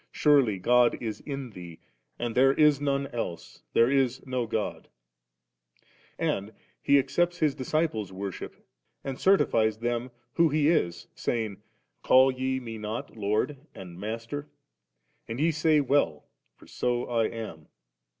Surely God is in thee^ and theie is none else^ there b no God»/ And He accepto His discii)les' worship, and certifies them who He is, saying, 'Call ye Me not Lord and Master? and ye say well, for so I am.'